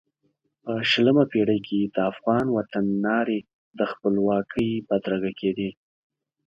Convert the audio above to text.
په شلمه پېړۍ کې د افغان وطن نارې د خپلواکۍ بدرګه کېدې.